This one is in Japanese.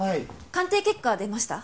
鑑定結果出ました？